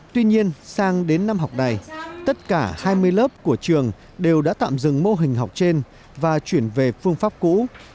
tuy nhiên sang đến năm học này tất cả hai mươi lớp của trường đều đã tạm dừng mô hình học trên và chuyển về phương pháp cũ